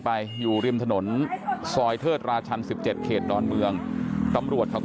ไปอยู่ริมถนนซอยเทิดราชัน๑๗เขตดอนเมืองตำรวจเขาก็